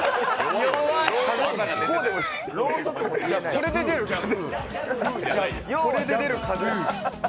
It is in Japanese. これで出る風。